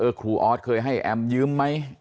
ครูออสเคยให้แอมยืมไหม